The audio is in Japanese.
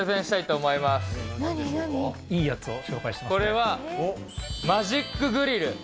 これはマジックグリル。